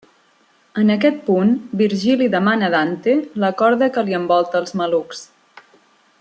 En aquest punt Virgili demana a Dante la corda que li envolta els malucs.